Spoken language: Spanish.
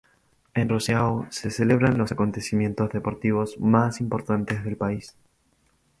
En Roseau se celebran los acontecimientos deportivos más importantes del país.